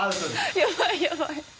やばい、やばい。